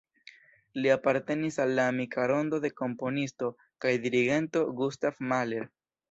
Li apartenis al la amika rondo de komponisto kaj dirigento Gustav Mahler.